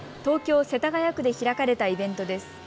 東京世田谷区で開かれたイベントです。